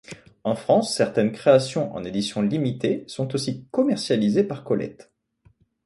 En France, certaines créations en édition limitée sont aussi commercialisées par colette.